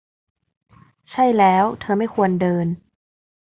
ใช่แล้วเธอไม่ควรเดิน